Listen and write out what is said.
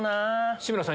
志村さん